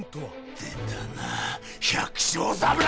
出たな百姓侍！